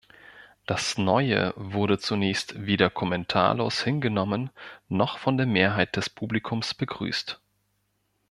Das „Neue“ wurde zunächst weder kommentarlos hingenommen, noch von der Mehrheit des Publikums begrüßt.